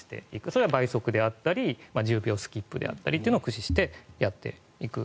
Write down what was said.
それは倍速であったり１０秒スキップなどを駆使してやっていく。